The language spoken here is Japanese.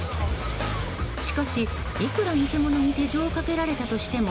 しかし、いくら偽者に手錠をかけられたとしても